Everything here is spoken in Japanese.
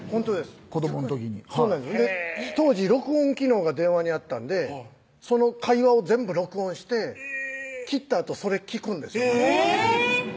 子どもの時に当時録音機能が電話にあったんでその会話を全部録音して切ったあとそれ聴くんですまたえぇー